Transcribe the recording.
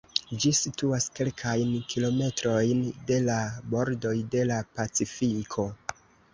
Ĝi situas kelkajn kilometrojn de la bordoj de la Pacifiko.